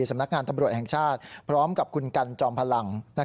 สำนักงานตำรวจแห่งชาติพร้อมกับคุณกันจอมพลัง